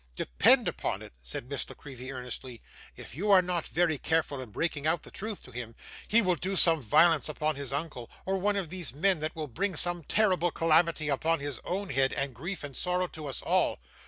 'Depend upon it,' said Miss La Creevy, earnestly, 'if you are not very careful in breaking out the truth to him, he will do some violence upon his uncle or one of these men that will bring some terrible calamity upon his own head, and grief and sorrow to us all.